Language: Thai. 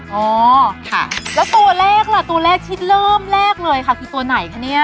อ๋อค่ะแล้วตัวเลขล่ะตัวเลขที่เริ่มแรกเลยค่ะคือตัวไหนคะเนี่ย